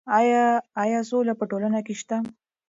ایا سوله په ټولنه کې شته؟